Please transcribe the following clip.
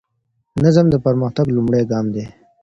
نظم د پرمختګ لومړی ګام دی.